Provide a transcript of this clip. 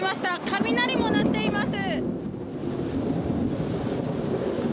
雷も鳴っています。